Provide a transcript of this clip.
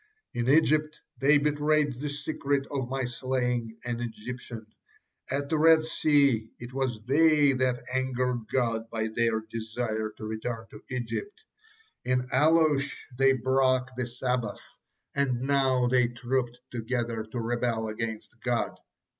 In Egypt they betrayed the secret of my slaying an Egyptian: at the Red Sea it was they that angered God by their desire to return to Egypt; in Alush they broke the Sabbath, and now they trooped together to rebel against God.